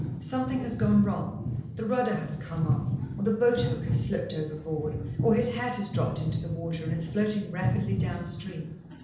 Something has gone wrong; the rudder has come off, or the boat hook has slipped overboard, or his hat has dropped into the water and is floating rapidly down stream.